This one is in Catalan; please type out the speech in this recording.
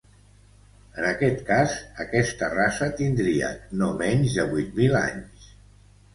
En aquest cas, aquesta raça tindria no menys de vuit mil anys.